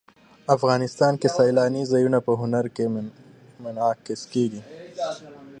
افغانستان کې سیلاني ځایونه په هنر کې منعکس کېږي.